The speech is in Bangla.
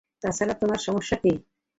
তাছাড়া, তোমার সমস্যা কী?